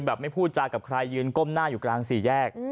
ไม่พูดจากับใครยืนก้มหน้าอยู่กลางสี่แยก